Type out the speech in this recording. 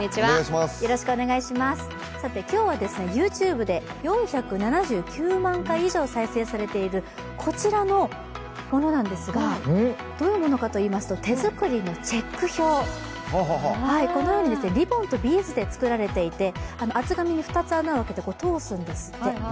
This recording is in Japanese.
今日はＹｏｕＴｕｂｅで４７９万回以上再生されている、こちらのものなんですが、どういうものかといいますと、手作りのチェック表リボンとビーズでできていて厚紙に２つ穴を開けて通すんですって。